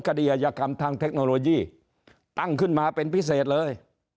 คดีอายากรรมทางเทคโนโลยีตั้งขึ้นมาเป็นพิเศษเลย